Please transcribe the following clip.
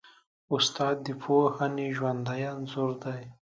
استاد د پوهنې ژوندی انځور دی.